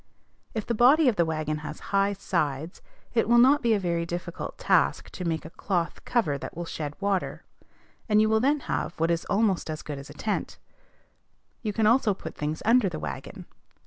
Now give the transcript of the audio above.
If the body of the wagon has high sides, it will not be a very difficult task to make a cloth cover that will shed water, and you will then have what is almost as good as a tent: you can also put things under the wagon.